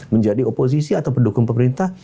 menjadi oposisi atau pendukung pemerintah